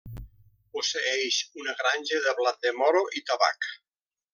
Posseeix una granja de blat de moro i tabac.